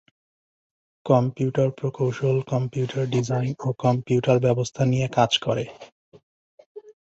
Computer প্রকৌশল computer design ও computer ব্যবস্থা নিয়ে কাজ করে।